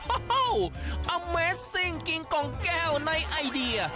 โอ้โหอัมเมสซิ่งกินกล่องแก้วในไอเดีย